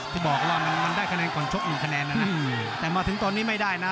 พี่บอกแล้วมันได้คะแนนก่อนชก๑คะแนนแล้วนะแต่มาถึงตอนนี้ไม่ได้นะ